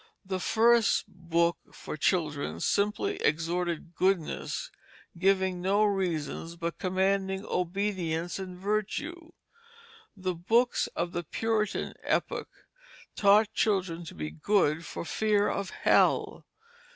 The first books for children simply exhorted goodness, giving no reasons, but commanding obedience and virtue. The books of the Puritan epoch taught children to be good for fear of hell.